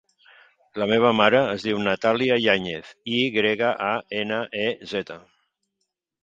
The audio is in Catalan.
La meva mare es diu Natàlia Yanez: i grega, a, ena, e, zeta.